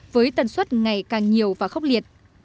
với tần suất ngày càng nhiều và khốc liệt